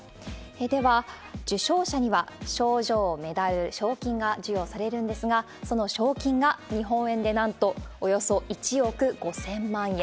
では、受賞者には賞状、メダル、賞金が授与されるんですが、その賞金が、日本円でなんとおよそ１億５０００万円。